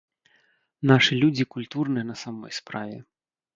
Нашы людзі культурныя на самой справе.